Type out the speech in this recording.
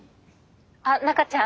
あっ中ちゃん？